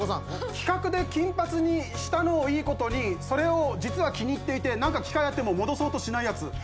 企画で金髪にしたのをいい事にそれを実は気に入っていてなんか機会あっても戻そうとしないヤツ。